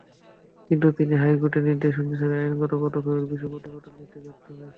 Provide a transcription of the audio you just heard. কিন্তু তিনি হাইকোর্টের নির্দেশ অনুসারে আইনগত পদক্ষেপের বিষয়ে প্রতিবেদন দিতে ব্যর্থ হয়েছেন।